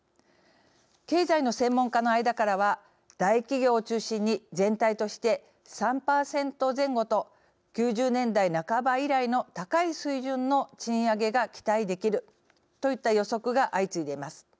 経済の専門家の間からは大企業を中心に、全体として３％前後と９０年代半ば以来の高い水準の賃上げが期待できるといった予測が相次いでいます。